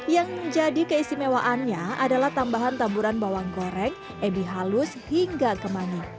yang menjadi keistimewaannya adalah tambahan taburan bawang goreng ebi halus hingga kemangi